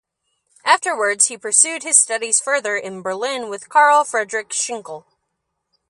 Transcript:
Afterwards he pursued his studies further in Berlin with Karl Friedrich Schinkel.